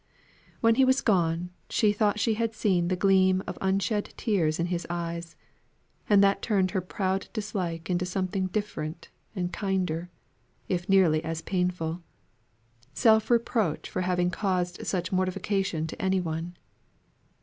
When he was gone she thought she had seen the gleam of washed tears in his eyes; and that turned her proud dislike into something different and kinder, if nearly as painful self reproach for having caused such mortification to any one.